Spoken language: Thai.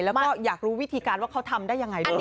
แล้วก็อยากรู้วิธีการว่าเขาทำได้ยังไงด้วย